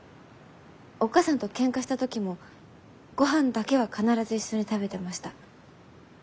おっ母さんとけんかした時もごはんだけは必ず一緒に食べてました。